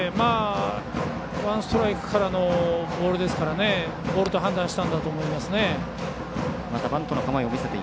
ワンストライクからのボールですからボールと判断したんだと思います。